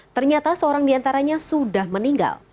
ternyata seorang diantaranya sudah meninggal